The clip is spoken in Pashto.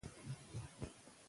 مور د ماشوم د خونديتوب اصول ښيي.